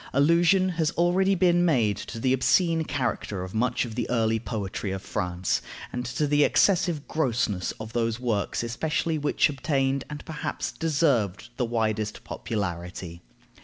Allusion has already been made to the obscene character of much of the early poetry of France, and to the excessive grossness of those works especially which obtained, and perhaps deserved, the widest popularity.